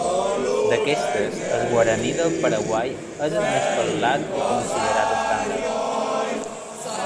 D'aquestes, el guaraní del Paraguai és el més parlat i considerat estàndard.